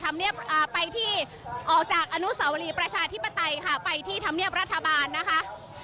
ไปที่ออกจากอนุสาวรีประชาธิปไตยค่ะไปที่ธรรมเนียบรัฐบาลนะคะ